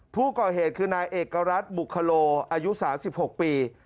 ผู้ก่อเหตุคือนายเอกรัฐบุคโลอายุ๓๖ปี